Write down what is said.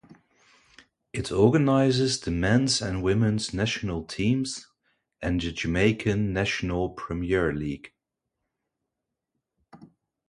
It organises the men's and women's national teams and the Jamaican National Premier League.